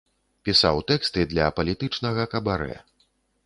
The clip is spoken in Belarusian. Пісаў тэксты для палітычнага кабарэ.